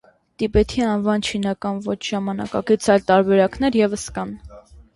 Տիբեթի անվան չինական ոչ ժամանակակից այլ տարբերակներ ևս կան։